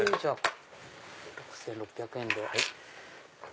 ６６００円で。